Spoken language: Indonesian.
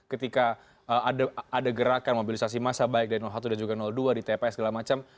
ketika ada gerakan mobilisasi massa baik dari satu dan juga dua di tps segala macam